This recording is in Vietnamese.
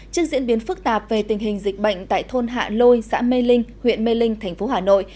trước diễn biến phức tạp về tình hình dịch bệnh tại thôn hạ lôi xã mê linh huyện mê linh thành phố hà nội